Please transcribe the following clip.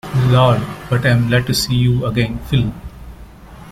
Lord, but I'm glad to see you again, Phil.